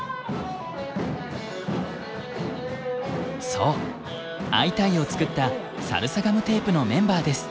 そう「アイタイ！」を作ったサルサガムテープのメンバーです。